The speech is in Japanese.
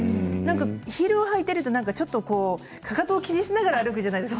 ヒールを履いているとちょっとかかとを気にしながら歩くじゃないですか